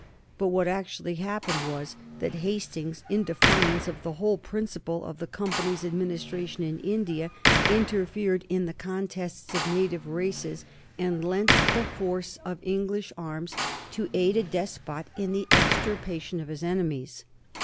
But what actually happened was that Hastings, in defiance of the whole principle of the Company's administration in India, interfered in the contests of native races and lent the force of English arms to aid a despot in the extirpation of his enemies.